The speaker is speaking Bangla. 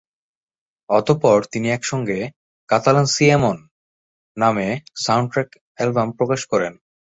অতঃপর তিনি একসঙ্গে "কাতালান সি এমন" নামে সাউন্ডট্র্যাক অ্যালবাম প্রকাশ করেন।